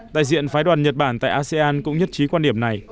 đại diện phái đoàn nhật bản tại asean cũng nhất trí quan điểm này